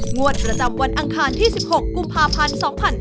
งวดประจำวันอังคารที่๑๖กุมภาพันธ์๒๕๕๙